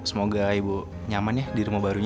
semoga ibu nyaman ya di rumah barunya